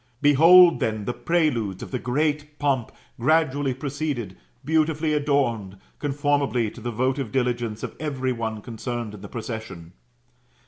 Behold, then, the preludes of the great pomp gradually proceeded, beautifully adorned, conformably to the votive diligence of every one concerned in the procession.